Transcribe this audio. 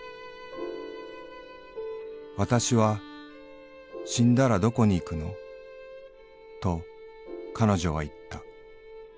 「『わたしは死んだらどこに行くの』と彼女は言った。